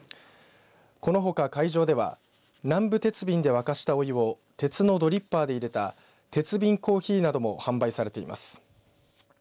このほか、会場では南部鉄瓶で沸かしたお湯を鉄のドリッパーで入れた鉄瓶珈琲なども販売されています。